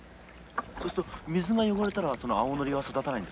そうすると水が汚れたらその青ノリは育たないんですか？